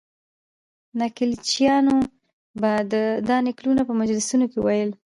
نکلچیانو به دا نکلونه په مجلسونو کې ویل.